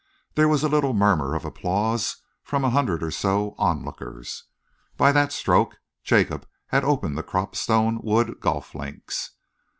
There was a little murmur of applause from a hundred or so of onlookers. By that stroke, Jacob had opened the Cropstone Wood Golf Links.